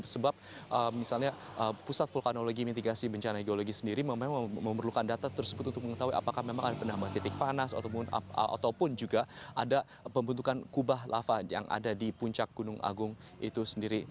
sebab misalnya pusat vulkanologi mitigasi bencana geologi sendiri memang memerlukan data tersebut untuk mengetahui apakah memang ada penambahan titik panas ataupun juga ada pembentukan kubah lava yang ada di puncak gunung agung itu sendiri